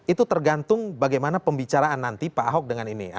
itu tergantung bagaimana pembicaraan nanti pak ahok dengan ini